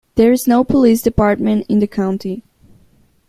There is no police department in the county.